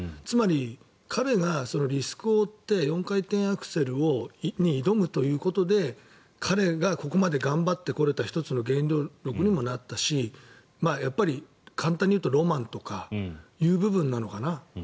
つまり、彼がリスクを負って４回転アクセルに挑むということで彼がここまで頑張ってこれた１つの原動力にもなったしやっぱり簡単に言うとロマンという部分なのかな。